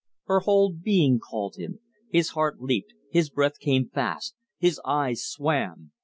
Her whole being called him. His heart leaped, his breath came fast, his eyes swam.